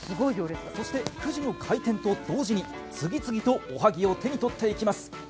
そして９時の開店と同時に次々とおはぎを手に取っていきます。